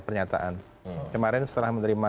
pernyataan kemarin setelah menerima